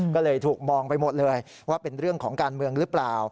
ก็เลยถูกมองไปหมดเลยว่าเป็นเรื่องของการเมืองหรือเปล่า